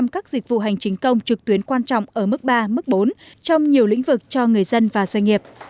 bảy mươi các dịch vụ hành chính công trực tuyến quan trọng ở mức ba mức bốn trong nhiều lĩnh vực cho người dân và doanh nghiệp